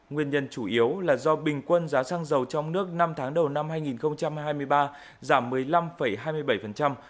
nguyên nhân chủ yếu là do bình quân giá xăng dầu trong nước năm tháng đầu năm hai nghìn hai mươi ba giảm một mươi năm hai mươi bảy